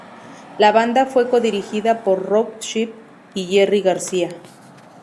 La banda fue co-dirigida por Rob Shipp y Jerry García.